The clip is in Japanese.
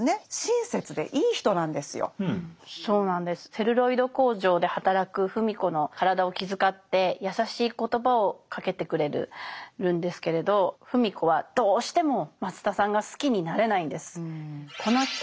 セルロイド工場で働く芙美子の体を気遣って優しい言葉をかけてくれるんですけれど芙美子はどうしても松田さんが好きになれないんです。